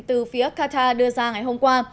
từ phía qatar đưa ra ngày hôm qua